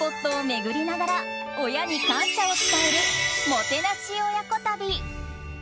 巡りながら親に感謝を伝えるもてなし親子旅。